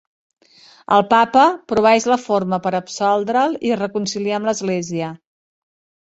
El Papa proveeix la forma per absoldre'l i reconciliar amb l'Església.